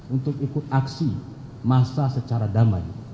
untuk ikut aksi massa secara damai